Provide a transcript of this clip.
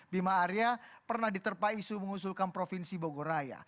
bima arnya pernah diterpah isu mengusulkan provinsi bogoraya